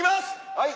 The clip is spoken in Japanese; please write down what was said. はい。